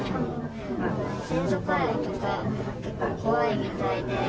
先祖解怨が結構、怖いみたいで。